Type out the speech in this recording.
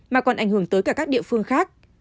mà còn ảnh hưởng tới cả các địa phương khác